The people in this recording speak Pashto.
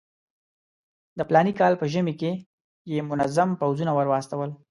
د فلاني کال په ژمي کې یې منظم پوځونه ورواستول.